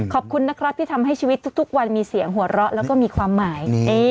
ขอบคุณนะครับที่ทำให้ชีวิตทุกวันมีเสียงหัวเราะแล้วก็มีความหมาย